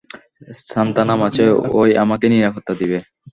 সান্থানাম আছে, ওই আমাকে নিরাপত্তা দিবে।